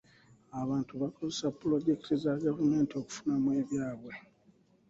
Abantu bakozesa pulojekiti za gavumenti okufunamu ebyabwe.